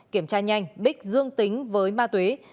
kiểm tra nhanh bích dương tính với ma tuế